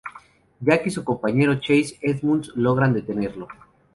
Jack y su compañero Chase Edmunds logran detenerlo.